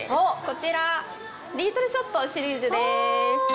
こちらリードルショットシリーズです。